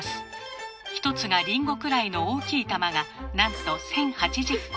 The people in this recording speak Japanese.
１つがリンゴくらいの大きい玉がなんと１，０８０個。